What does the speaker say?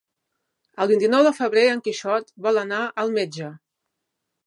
El vint-i-nou de febrer en Quixot vol anar al metge.